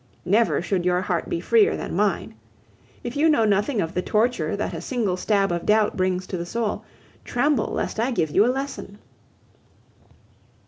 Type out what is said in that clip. Never should your heart be freer than mine. If you know nothing of the torture that a single stab of doubt brings to the soul, tremble lest I give you a lesson!